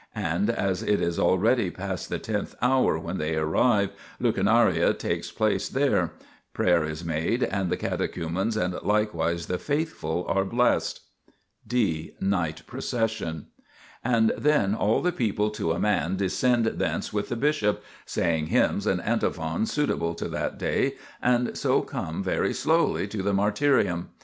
And as it is already . Luke xxiv 50 ff. ; Acts i. 9 ff. 88 THE PILGRIMAGE OF ETHERIA past the tenth hour when they arrive, lucernare takes place there ; prayer is made, and the catechumens and likewise the faithful are blessed. [d] Night Procession. And then all the people to a man descend thence with the bishop, saying hymns and antiphons suitable to that day, and so come very slowly to the mar tyrium.